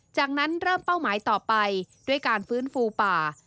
จากนั้นเริ่มเป้าหมายต่อไปด้วยการฟื้นฟูป่า